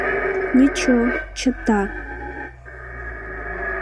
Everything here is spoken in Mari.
— Ничо, чыта...